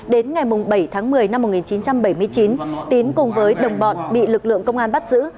đến ngày bảy tháng một mươi năm một nghìn chín trăm bảy mươi chín tín cùng với đồng bọn bị lực lượng công an bắt giữ